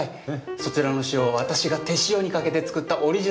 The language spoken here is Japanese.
そちらの塩は私が手塩にかけて作ったオリジナルの塩でございます。